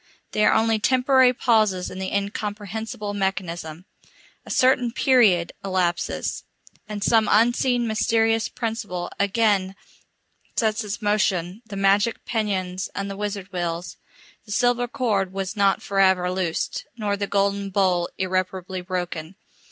They are only temporary pauses in the incomprehensible mechanism. A certain period elapses, and some unseen mysterious principle again sets in motion the magic pinions and the wizard wheels. The silver cord was not for ever loosed, nor the golden bowl irreparably broken.